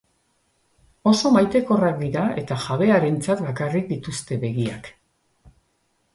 Oso maitekorrak dira eta jabearentzat bakarrik dituzte begiak.